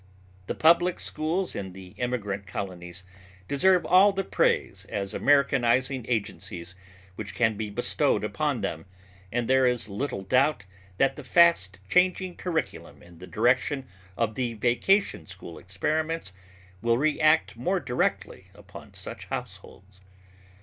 The public schools in the immigrant colonies deserve all the praise as Americanizing agencies which can be bestowed upon them, and there is little doubt that the fast changing curriculum in the direction of the vacation school experiments will react more directly upon such households.